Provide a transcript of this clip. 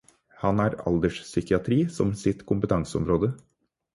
Han har alderspsykiatri som sitt kompetanseområde.